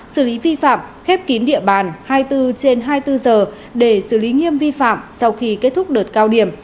xử lý vi phạm khép kín địa bàn hai mươi bốn trên hai mươi bốn giờ để xử lý nghiêm vi phạm sau khi kết thúc đợt cao điểm